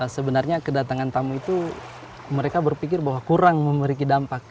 sebenarnya kedatangan tamu itu mereka berpikir bahwa kurang memiliki dampak